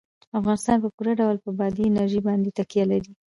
افغانستان په پوره ډول په بادي انرژي باندې تکیه لري.